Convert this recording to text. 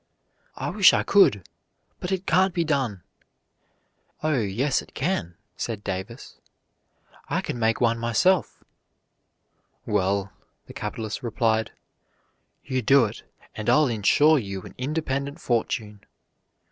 "I wish I could, but it can't be done." "Oh, yes it can," said Davis; "I can make one myself." "Well," the capitalist replied, "you do it, and I'll insure you an independent fortune."